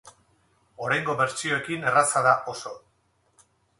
Oraingo bertsioekin erraza da, oso.